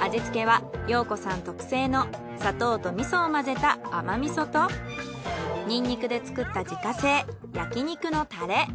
味付けは涼子さん特製の砂糖と味噌を混ぜた甘味噌とニンニクで作った自家製焼肉のタレ。